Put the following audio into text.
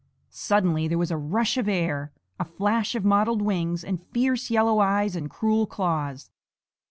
Suddenly there was a rush of air, a flash of mottled wings and fierce yellow eyes and cruel claws.